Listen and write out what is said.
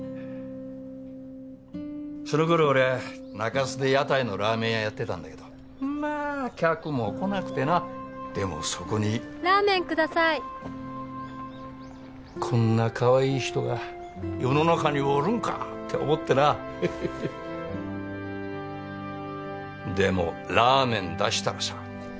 その頃俺中洲で屋台のラーメン屋やってたんだけどまあ客も来なくてなでもそこにラーメンくださいこんなかわいい人が世の中におるんかって思ってなへへへでもラーメン出したらさ